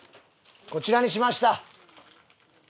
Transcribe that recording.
こちらにしました。